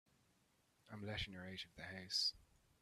I'm letting her out of the house.